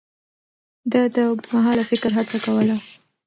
ده د اوږدمهاله فکر هڅه کوله.